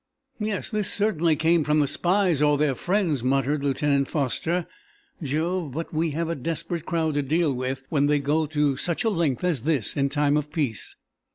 "Yes; this certainly came from the spies, or their friends," muttered Lieutenant Foster. "Jove, but we have a desperate crowd to deal with when they'll go to such a length as this in time of peace!"